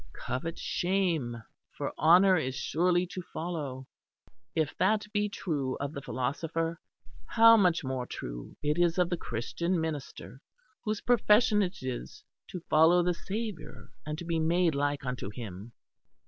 Covet shame, for honour is surely to follow.' If that be true of the philosopher, how much more true is it of the Christian minister whose profession it is to follow the Saviour and to be made like unto him."